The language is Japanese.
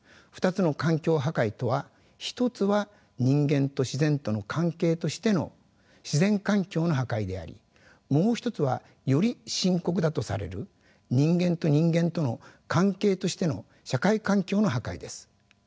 ２つの環境破壊とは一つは人間と自然との関係としての自然環境の破壊でありもう一つはより深刻だとされる人間と人間との関係としての社会環境の破壊です。